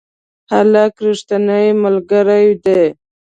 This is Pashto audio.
هلک رښتینی ملګری دی.